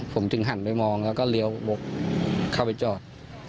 ผมถึงหันไปมองแล้วก็เลี้ยวกเข้าไปจอด